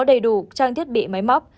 đầy đủ trang thiết bị máy móc